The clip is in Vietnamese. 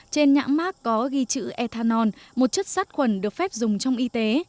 trên nhãn mát có ghi chữ ethanol một chất sát khuẩn được phép dùng trong y tế